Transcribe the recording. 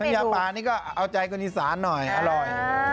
ยาปลานี่ก็เอาใจคนอีสานหน่อยอร่อย